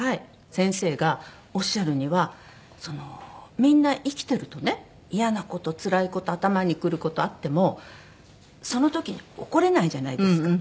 先生がおっしゃるにはみんな生きてるとねイヤな事つらい事頭にくる事あってもその時に怒れないじゃないですか。